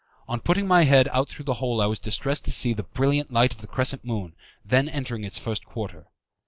On putting my head out through the hole I was distressed to see the brilliant light of the crescent moon then entering in its first quarter.